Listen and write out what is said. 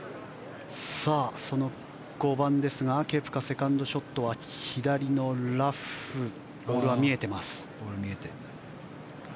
その５番ですがケプカセカンドショットは左のラフボールは見えています。